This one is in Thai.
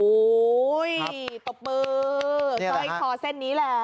โอ้โหตบมือสร้อยคอเส้นนี้แหละ